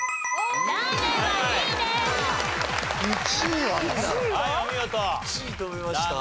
１位と思いました。